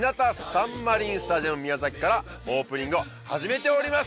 サンマリンスタジアム宮崎からオープニングを始めております